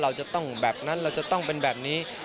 เราจะต้องแบบนั้นเราจะต้องเป็นแบบนี้